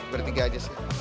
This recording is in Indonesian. bertiga aja sih